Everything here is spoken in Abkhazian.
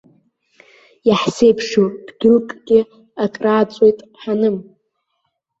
Иаҳзеиԥшу дгьылкгьы, акрааҵуеит, ҳаным.